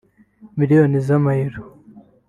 Miliyoni z’Amayero (€